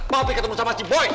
tapi dia masih boy